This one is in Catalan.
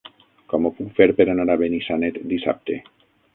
Com ho puc fer per anar a Benissanet dissabte?